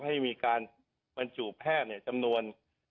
ให้มีการบรรจุแพทย์จำนวน